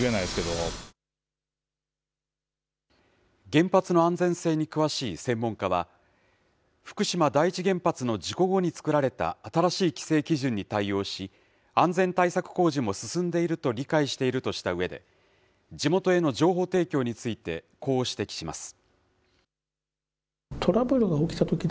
原発の安全性に詳しい専門家は、福島第一原発の事故後に作られた新しい規制基準に対応し、安全対策工事も進んでいると理解しているとしたうえで、地元への情報提供について、こう指摘します。